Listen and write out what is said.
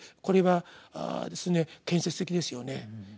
これは建設的ですよね。